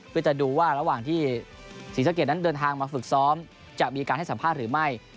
เพื่อจะดูว่าระหว่างที่ศรีสะเกดนั้นเดินทางมาฝึกซ้อมจะมีการให้สัมภาษณ์หรือไม่